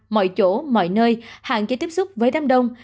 mọi chỗ mọi nơi hạn chế tiếp xúc với đám đông